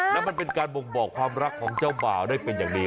แล้วมันเป็นการบ่งบอกความรักของเจ้าบ่าวได้เป็นอย่างดี